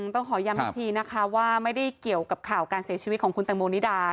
ต้องขอย้ำอีกทีนะคะว่าไม่ได้เกี่ยวกับข่าวการเสียชีวิตของคุณตังโมนิดา